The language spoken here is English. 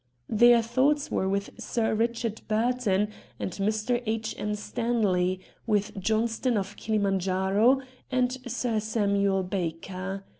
Their thoughts were with Sir Eichard Burton and Mr. H. M. Stanley, with Johnston of Kilimanjaro and Sir Samuel Baker.